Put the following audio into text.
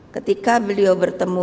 ketika beliau bertemu